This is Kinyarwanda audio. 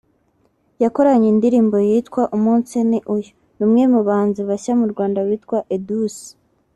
yakoranye indirimbo yitwa “Umunsi Ni Uyu” n’umwe mu bahanzi bashya mu Rwanda witwa Edouce